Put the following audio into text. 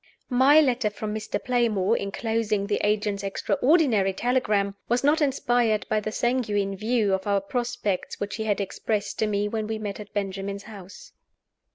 MY letter from Mr. Playmore, inclosing the agent's extraordinary telegram, was not inspired by the sanguine view of our prospects which he had expressed to me when we met at Benjamin's house.